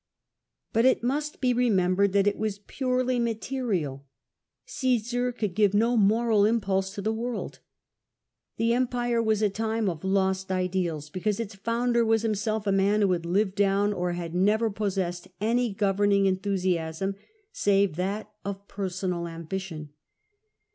But it must be remembered that it was purcdy material— Caesar could give no moral impulse to the world, ''i'he empire was a time of lost ideals, because it s foundin' wais himself a man who had lived down, or had never p(msi'ssed, any governing enthusiasm, save that of personal ambition.